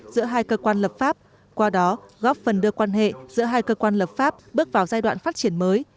giữa hai cơ quan lập pháp qua đó góp phần đưa quan hệ giữa hai cơ quan lập pháp bước vào giai đoạn phát triển mới